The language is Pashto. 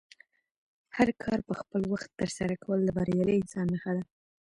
هر کار په خپل وخت ترسره کول د بریالي انسان نښه ده.